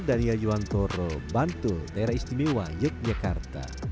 saya daniel yuwantoro bantu daerah istimewa yogyakarta